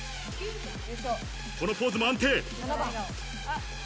このポーズも安定。